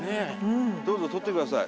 どうぞ撮ってください。